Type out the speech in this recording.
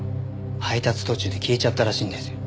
配達途中で消えちゃったらしいんですよ。